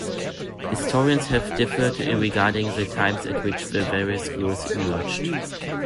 Historians have differed regarding the times at which the various schools emerged.